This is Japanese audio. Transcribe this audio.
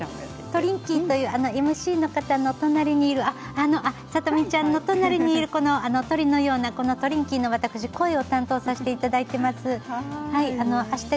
トリンキーというＭＣの方の隣にいるさとみちゃんの隣にいる鳥のようなトリンキーの声を担当させていただいております。